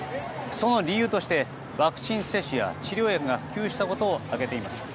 その理由として、ワクチン接種や治療薬が普及したことを挙げています。